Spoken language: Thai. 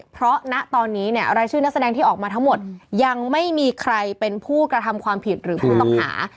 เพราะณตอนนี้เนี่ยรายชื่อนักแสดงที่ออกมาทั้งหมดยังไม่มีใครเป็นผู้กระทำความผิดหรือผู้ต้องหา